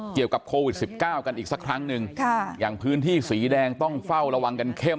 เกี่ยวกับโควิดสิบเก้ากันอีกสักครั้งหนึ่งค่ะอย่างพื้นที่สีแดงต้องเฝ้าระวังกันเข้ม